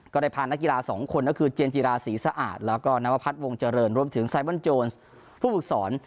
ก็ได้พานักกีฬาสองคนก็คือเจนจิราศรีสะอาดแล้วก็นวพัฒน์วงเจริญรวมถึงไซเบอร์ผู้ฝึกสอน